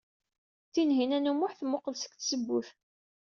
Tinhinan u Muḥ temmuqqel seg tzewwut.